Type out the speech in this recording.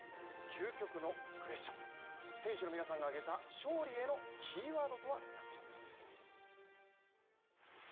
究極のクエスチョン、選手の皆さんが挙げた勝利へのキーワードとは何でしょうか。